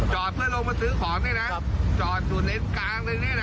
จอดเพื่อลงมาซื้อของด้วยน่ะจอดอยู่เลนส์กลางด้วยนี่น่ะ